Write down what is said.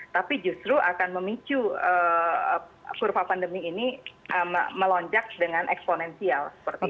tapi justru akan memicu kurva pandemi ini melonjak dengan eksponensial